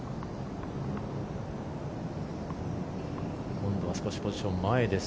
今度は少しポジション前です。